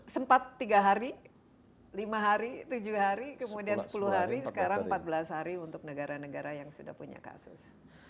sempat tiga hari lima hari tujuh hari kemudian sepuluh hari sekarang empat belas hari untuk negara negara yang sudah punya kasus